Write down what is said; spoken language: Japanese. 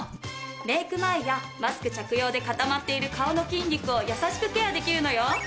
メイク前やマスク着用で固まっている顔の筋肉を優しくケアできるのよ。